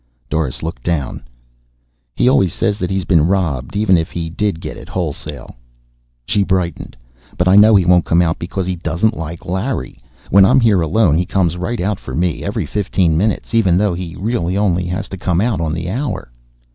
Doris looked down. "He always says he's been robbed, even if he did get it wholesale." She brightened. "But I know he won't come out because he doesn't like Larry. When I'm here alone he comes right out for me, every fifteen minutes, even though he really only has to come out on the hour."